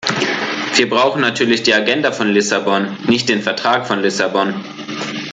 Wir brauchen natürlich die Agenda von Lissabon, nicht den Vertrag von Lissabon.